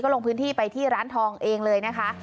ลงพื้นที่ไปที่ร้านทองเองเลยนะคะ